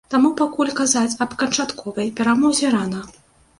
Таму пакуль казаць аб канчатковай перамозе рана.